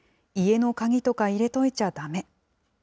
家の鍵とか入れといちゃだめ。